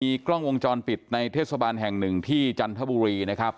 กล้องวงจรปิดในเทศบาลแห่งหนึ่งที่จันทบุรีนะครับ